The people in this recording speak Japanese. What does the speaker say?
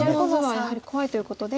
やはり怖いということで。